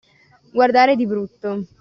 Guardare di brutto.